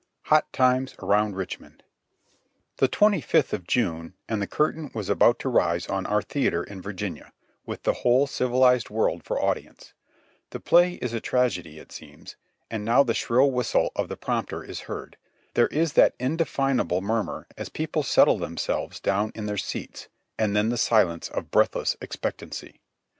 HOT TIME;S around RICHMOND. The twenty fifth of June, and the curtain was about to rise on our theatre in Virginia, with the whole civiHzed world for audi ence ; the play is a tragedy it seems, and now the shrill whistle of the prompter is heard ; there is that indefinable murmur as people settle themselves down in their seats, and then the silence of breathless expectancy.